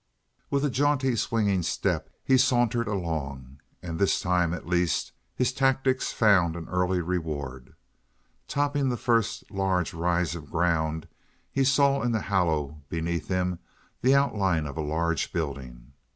With a jaunty, swinging step he sauntered along, and this time, at least, his tactics found an early reward. Topping the first large rise of ground, he saw in the hollow beneath him the outline of a large building.